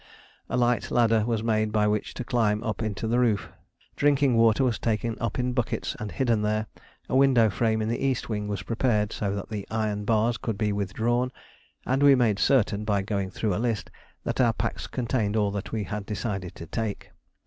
A light ladder was made by which to climb up into the roof; drinking water was taken up in buckets and hidden there; a window frame in the east wing was prepared so that the iron bars could be withdrawn; and we made certain, by going through a list, that our packs contained all that we had decided to take.